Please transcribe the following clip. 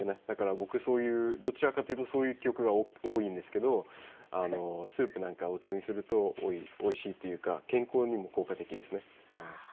だから僕そういうどちらかというとそういう記憶が多いんですけどスープなんかやお茶にするとおいしいというか健康にも効果的ですね。